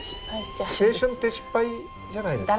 青春って失敗じゃないですか。